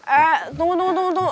eh tunggu tunggu tunggu